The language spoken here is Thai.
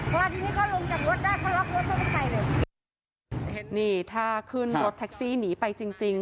พอทีนี้เขาลงจากรถได้เขาล็อกรถเขาก็ไปเลยนี่ถ้าขึ้นรถแท็กซี่หนีไปจริงจริง